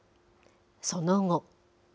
その後。